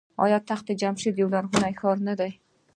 آیا تخت جمشید یو لرغونی ښار نه دی؟